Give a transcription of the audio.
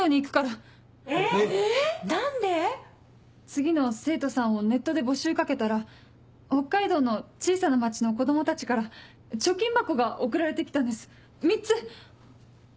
次の生徒さんをネットで募集かけたら北海道の小さな町の子供たちから貯金箱が送られて来たんです３つ。